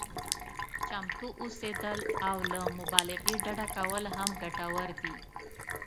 چمتو اوسېدل او له مبالغې ډډه کول هم ګټور دي.